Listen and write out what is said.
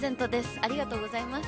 ありがとうございます。